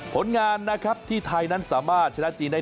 ผลงานนะครับที่ไทยนั้นสามารถชนะจีนได้